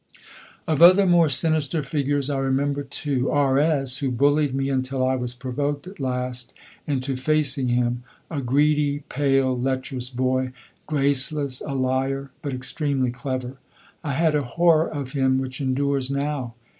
Of other more sinister figures I remember two. R s, who bullied me until I was provoked at last into facing him; a greedy, pale, lecherous boy, graceless, a liar, but extremely clever. I had a horror of him which endures now.